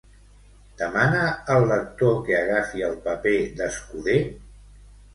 Demana al lector que agafi el paper d'escuder?